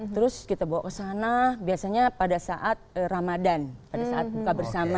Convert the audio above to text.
terus kita bawa ke sana biasanya pada saat ramadhan pada saat buka bersama